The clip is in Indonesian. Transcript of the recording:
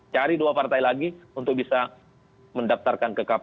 cari dua partai lagi untuk bisa mendaftarkan ke kpu